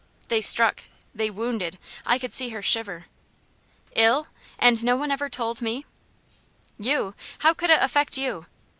They struck they wounded; I could see her shiver. "Ill! and no one ever told me!" "You? How could it affect you?